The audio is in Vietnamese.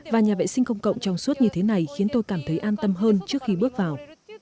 và nhà vệ sinh công cộng trong suốt như thế này khiến tôi cảm thấy an tâm hơn trước khi bước vào